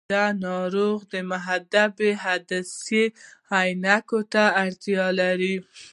دا ناروغي د محدبو عدسیو عینکو ته اړتیا لري.